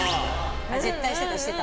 絶対してた、してた。